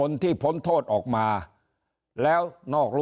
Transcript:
ถ้าท่านผู้ชมติดตามข่าวสาร